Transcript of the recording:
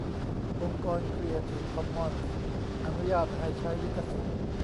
องค์กร ครีเอทีฟ คอมมอนส์ อนุญาตให้ใช้ลิขสิทธิ์